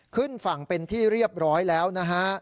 ขึ้นฝั่งเป็นที่เรียบร้อยแล้วนะฮะ